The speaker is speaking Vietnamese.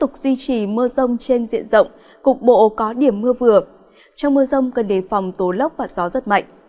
cục bộ có điểm mưa vừa trong mưa rông cần đề phòng tố lốc và gió rất mạnh